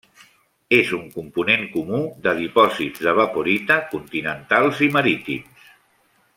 És un component comú de dipòsits d'evaporita continentals i marítims.